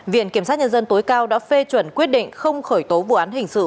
viện kiểm sát nhân dân tối cao đã phê chuẩn quyết định không khởi tố vụ án hình sự